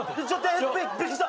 びっくりした。